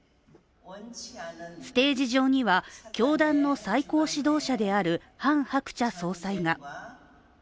ステージ上には教団の最高指導者であるハン・ハクチャ総裁が。